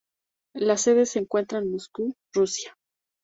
La sede se encuentra en Moscú, Rusia.